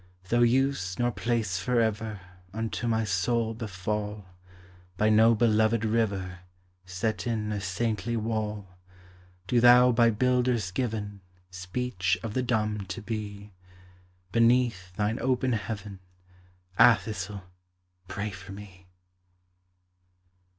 Though use nor place forever Unto my soul befall, By no belovèd river Set in a saintly wall, Do thou by builders given Speech of the dumb to be, Beneath thine open heaven, Athassel! pray for me.